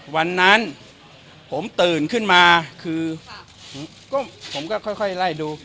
วันนั้นผมตื่นขึ้นมาคือผมก็ค่อยไล่ดู